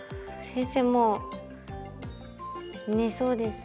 先生もう寝そうです。